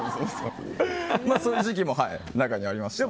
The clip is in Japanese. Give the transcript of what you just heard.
そういう時期も中にはありました。